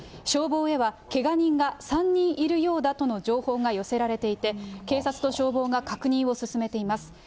消防へは、けが人が３人いるようだとの情報が寄せられていて、警察と消防が確認を進めています。